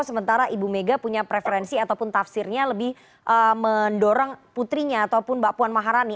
sementara ibu mega punya preferensi ataupun tafsirnya lebih mendorong putrinya ataupun mbak puan maharani